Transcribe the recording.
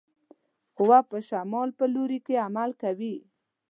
قوه په شمال په لوري کې عمل کوي.